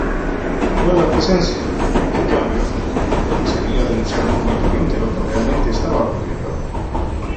Nueva Presencia, en cambio, comenzaría a denunciar públicamente lo que realmente estaba ocurriendo.